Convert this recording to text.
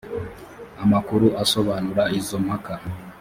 amakuru asobanura izo mpaka